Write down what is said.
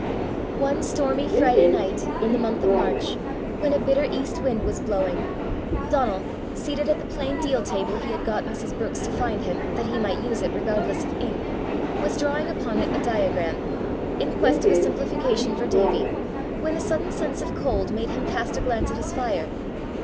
One stormy Friday night in the month of March, when a bitter east wind was blowing, Donal, seated at the plain deal table he had got Mrs. Brookes to find him that he might use it regardless of ink, was drawing upon it a diagram, in quest of a simplification for Davie, when a sudden sense of cold made him cast a glance at his fire.